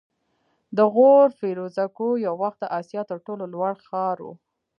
د غور فیروزکوه یو وخت د اسیا تر ټولو لوړ ښار و